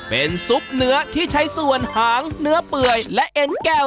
เป็นซุปเนื้อที่ใช้ส่วนหางเนื้อเปื่อยและเอ็นแก้ว